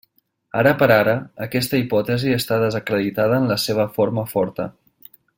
Ara per ara, aquesta hipòtesi està desacreditada en la seva forma forta.